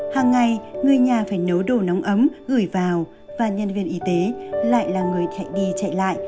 hàng ngày người nhà phải nấu đồ nóng ấm gửi vào và nhân viên y tế lại là người chạy đi chạy lại